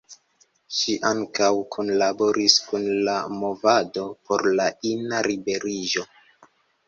Ŝi ankaŭ kunlaboris kun la movado por la ina liberiĝo.